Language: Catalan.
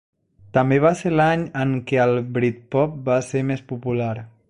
També va ser l'any en què el britpop va ser més popular.